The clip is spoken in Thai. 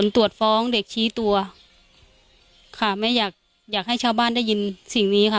ตรวจฟ้องเด็กชี้ตัวค่ะแม่อยากอยากให้ชาวบ้านได้ยินสิ่งนี้ค่ะ